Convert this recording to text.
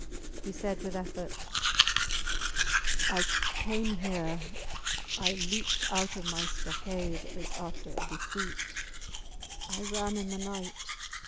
He said with effort I came here ... I leaped out of my stockade as after a defeat. I ran in the night.